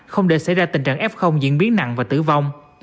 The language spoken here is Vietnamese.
không để xảy ra tình trạng f diễn biến nặng và tử vong